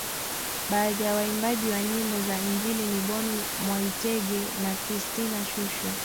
Baadhi ya waimbaji wa nyimbo za injili ni Boni Mwaitege na Christina Shusho